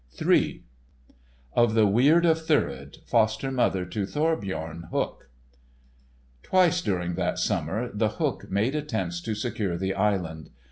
*III* *OF THE WEIRD OF THURID, FOSTER MOTHER TO THORBJORN HOOK* Twice during that summer The Hook made attempts to secure the island.